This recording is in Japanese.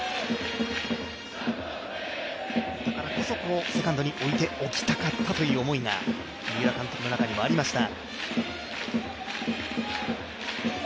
だからこそ、セカンドに置いておきたかったという思いが三浦監督の中にもありました。